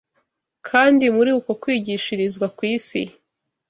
Kandi muri uko kwigishirizwa ku isi